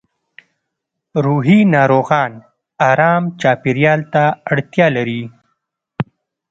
روحي ناروغان ارام چاپېریال ته اړتیا لري